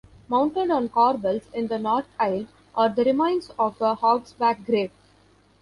Mounted on corbels in the north aisle are the remains of a hogsback grave.